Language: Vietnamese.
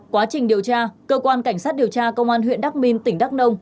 quá trình điều tra cơ quan cảnh sát điều tra công an huyện đắc minh tỉnh đắk nông